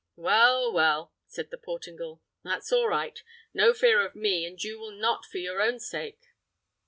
"Well, well," said the Portingal, "that's all right. No fear of me, and you will not for your own sake.